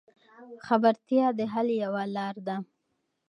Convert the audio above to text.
خبرتیا د حل یوه لار ده.